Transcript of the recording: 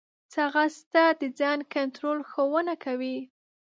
ځغاسته د ځان کنټرول ښوونه کوي